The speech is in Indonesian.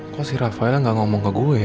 kok si rafael gak ngomong ke gue